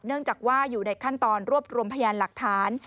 เนื่องจากว่าอยู่ในขั้นตอนรวบรวมพยานหลักฐาน